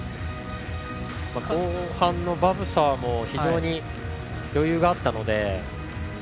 後半のバブサーも非常に余裕があったので。